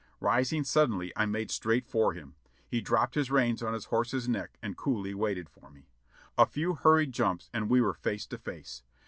Rising suddenly I made straight for him. He dropped his reins on his horse's neck and coolly waited for me. A few hur ried jumps and we were face to face.